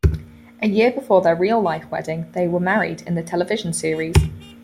A year before their real-life wedding, they were married in the television series.